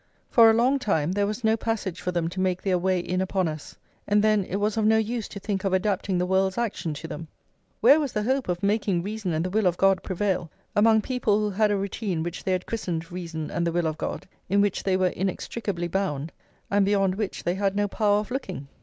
For a long time there was no passage for them to make their way in upon us, and then it was of no use to think of adapting the world's action to them. Where was the hope of making reason and the will of God prevail among people who had a routine which they had christened reason and the will of God, in which they were inextricably bound, and beyond which they had no power of looking?